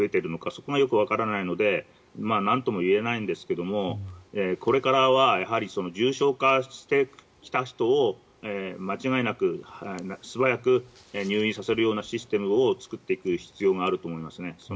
そこがよくわからないのでなんとも言えないんですがこれからは重症化してきた人を間違いなく素早く入院させるようなシステムを作っていく必要があると思いますね。